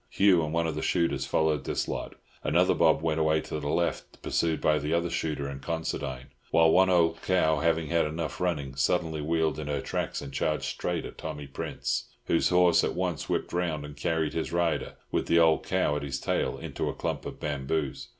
Hugh and one of the shooters followed this lot. Another mob went away to the left, pursued by the other shooter and Considine; while one old cow, having had enough running, suddenly wheeled in her tracks, and charged straight at Tommy Prince, whose horse at once whipped round and carried his rider, with the old cow at his tail, into a clump of bamboos.